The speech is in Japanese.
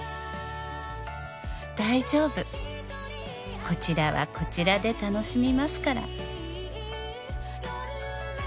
「大丈夫こちらはこちらで楽しみますから」